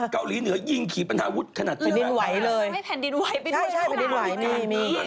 เกาหลีเหนือยิงขี่ปนาวุฒร์ขนาดนี้แผ่นดินไหวเลยใช่แผ่นดินไหวนี่